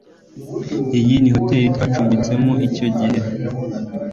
Iyi ni hoteri twacumbitsemo icyo gihe.